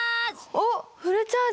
おっフルチャージ！